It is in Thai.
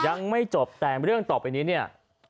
ยังไม่จบแต่เรื่องต่อไปนี้เนี่ย